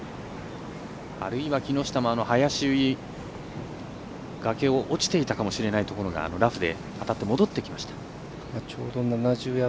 あるいは木下も林、崖を落ちていたかもしれないところがラフで当たって戻ってきました。